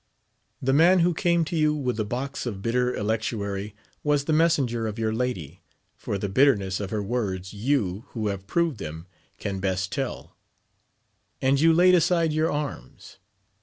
The man who came to you with the box of bitter electuary, was the messenger of your lady, for the bitterness of her words, you, who have proved them, can best tell : and you laid aside your arms.